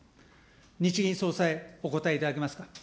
日銀総裁、お答えいただけますか。